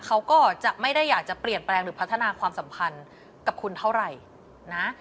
เขาก็จะไม่ได้อยากจะเปลี่ยนแปลงหรือพัฒนาความสัมพันธ์กับคุณเท่าไหร่นะ